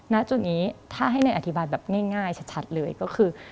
ณจุดนี้ถ้าให้เนยอธิบายแบบง่ายชัดเลยก็คือ